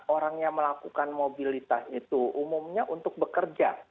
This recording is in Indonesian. orang yang melakukan mobilitas itu umumnya untuk bekerja